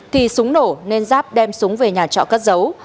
thì súng nổ nên giáp đem súng về nhà trọ cất giấu